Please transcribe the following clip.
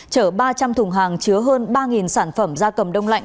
chở ba trăm linh thùng hàng chứa hơn ba sản phẩm da cầm đông lạnh